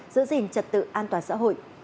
giữ gìn trật tự an toàn xã hội